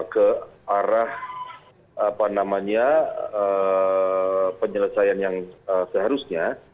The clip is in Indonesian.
ke arah penyelesaian yang seharusnya